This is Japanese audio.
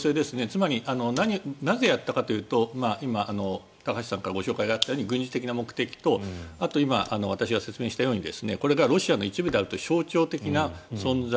つまり、なぜやったかというと今、高橋さんからご紹介があったように軍事的な目的とあと今、私が説明したようにこれがロシアの一部であるという象徴的な存在。